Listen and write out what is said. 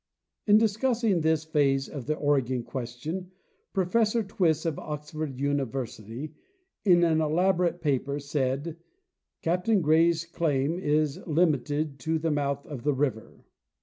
In discussing this phase of the Oregon question Professor Twiss, of Oxford University, in an elaborate paper, said: " Captain Gray's claim is limited to the mouth of the river."